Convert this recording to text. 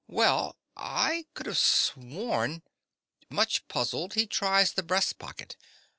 _) Well, I could have sworn—(_Much puzzled, he tries the breast pocket.